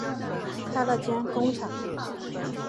开了间工厂